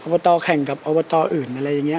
ตแข่งกับอบตอื่นอะไรอย่างนี้